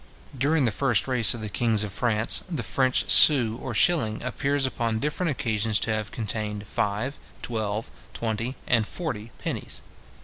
During the first race of the kings of France, the French sou or shilling appears upon different occasions to have contained five, twelve, twenty, and forty pennies.